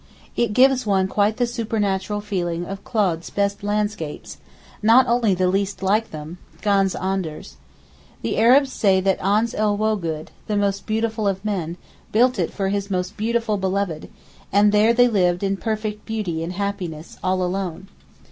It gives one quite the supernatural feeling of Claude's best landscapes, only not the least like them—ganz anders. The Arabs say that Ans el Wogood, the most beautiful of men, built it for his most beautiful beloved, and there they lived in perfect beauty and happiness all alone.